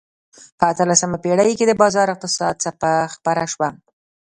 په اتلسمه پېړۍ کې د بازار اقتصاد څپه خپره شوه.